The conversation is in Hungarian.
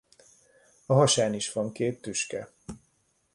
A hasán is van két tüske.